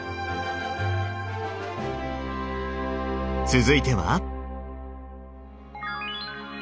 続いては？